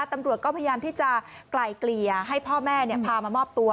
ตำรวจก็พยายามที่จะไกลเกลี่ยให้พ่อแม่พามามอบตัว